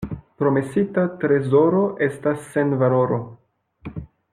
Promesita trezoro estas sen valoro.